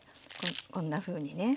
こんなふうにね。